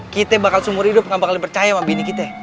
kita bakal seumur hidup ga bakal dipercaya sama bini kita